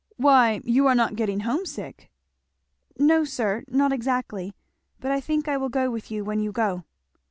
Why you are not getting homesick?" "No sir, not exactly, but I think I will go with you when you go."